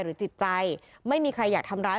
จิตใจไม่มีใครอยากทำร้าย